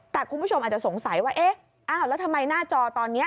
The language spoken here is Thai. แต่คุณผู้ชมอาจจะสงสัยว่าเอ๊ะอ้าวแล้วทำไมหน้าจอตอนนี้